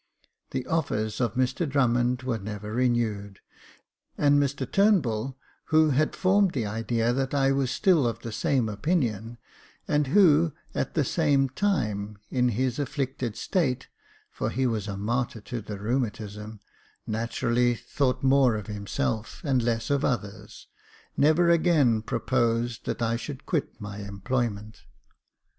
The offers of Mr Drummond were never renewed, and Mr Turnbull, who had formed the idea that I was still of the same opinion, and who, at the same time, in his afflicted state — for he was a martyr to the rheumatism — naturally thought more of himself and less of others, never again proposed that I should quit my employment.